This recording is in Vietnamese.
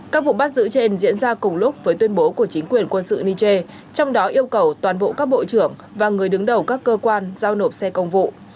các vụ bắt giữ trên diễn ra cùng lúc với tuyên bố của chính quyền quân sự niger trong đó yêu cầu toàn bộ các bộ trưởng và người đứng đầu các cơ quan giao nộp xe công vụ